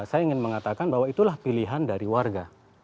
saya ingin mengatakan bahwa itulah pilihan dari warga